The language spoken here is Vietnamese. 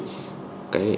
và điều chỉnh